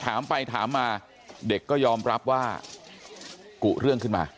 ถามไปถามมาเด็กก็ยอมรับว่ากุเรื่องขึ้นมา